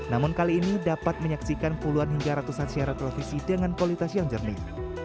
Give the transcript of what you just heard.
namun kali ini dapat menyaksikan puluhan hingga ratusan siaran televisi dengan kualitas yang jernih